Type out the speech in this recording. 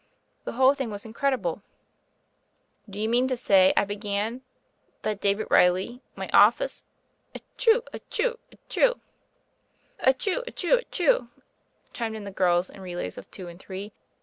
The whole thing was incredible. "Do you mean to say," I began, "that David Reilly, my office — etchoo, etchoo, etchoo!" "Etchoo, etchoo, etchoo!" chimed in the girls, in relays of two and three.